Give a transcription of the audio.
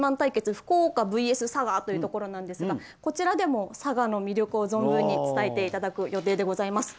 福岡ＶＳ佐賀」というところでこちらでも、佐賀の魅力を存分に伝えていただく予定です。